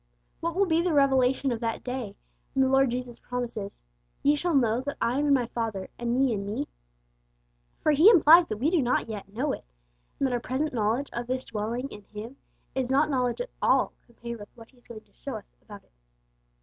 What will be the revelation of 'that day,' when the Lord Jesus promises, 'Ye shall know that I am in My Father, and ye in Me'? For He implies that we do not yet know it, and that our present knowledge of this dwelling in Him is not knowledge at all compared with what He is going to show us about it.